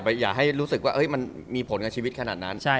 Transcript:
อย่าให้รู้สึกว่ามันมีผลกับชีวิตขนาดนั้น